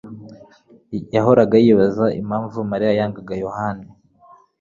yahoraga yibaza impamvu Mariya yangaga Yohana.